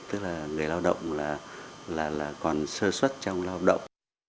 tức là người lao động là còn sơ xuất trong lao động